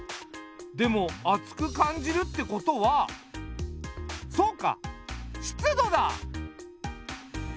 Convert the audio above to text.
でも暑く感じるってことはそうか湿度だ！